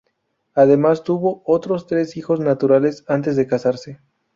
Además, tuvo otros tres hijos naturales antes de casarse.